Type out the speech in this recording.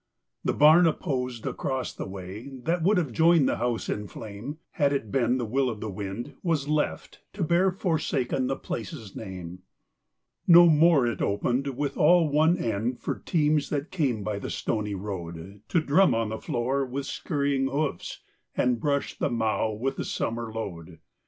that rhe bam opposed across the way, That would have Joined the house in flame Had it been the will of the wind, was left To bear forsaken the place's name. No more it opened with all one end For teams that came by the stony road To drum on the floor with scurrying hoofs And brush the mow with the summer load.